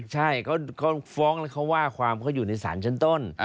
ใช่เขาฟ้องแล้วเขาว่าความเขาอยู่ในศาลชั้นต้น